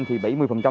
tới thì cô hơi lo